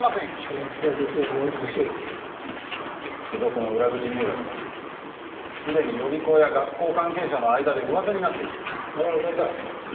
瑣末なことだ何とかしろ附属の裏口入学もすでに予備校や学校関係者の間で噂になっていますだから何だ？